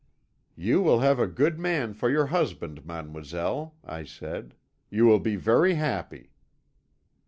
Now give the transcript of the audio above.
"'You will have a good man for your husband, mademoiselle,' I said; 'you will be very happy.'